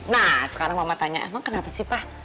nah sekarang mama tanya emang kenapa sih pak